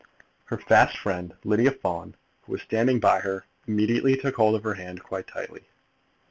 Her fast friend, Lydia Fawn, who was standing by her, immediately took hold of her hand quite tightly.